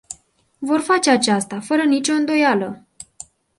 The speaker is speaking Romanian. Vor face aceasta, fără nicio îndoială.